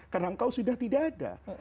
karena engkau sudah tidak ada